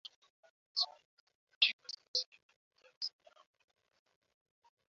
Sudan inashika nafasi ya mia moja hamsini na moja